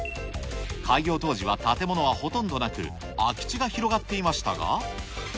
開業当時は建物はほとんどなく、空き地が広がっていましたが。